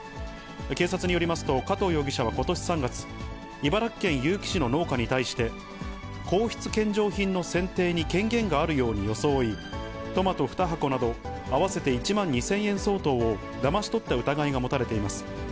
警察によりますと、加藤容疑者はことし３月、茨城県結城市の農家に対して、皇室献上品の選定に権限があるように装い、トマト２箱など合わせて１万２０００円相当をだまし取った疑いが持たれています。